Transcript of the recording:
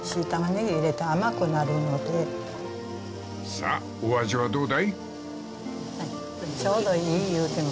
［さあお味はどうだい？］